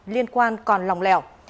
liên quan còn lòng lẻo